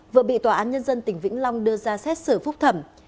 vừa bị tòa án nhân dân tỉnh vĩnh long đưa ra xét xử phúc thẩm